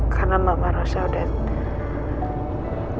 karena mama rosa udah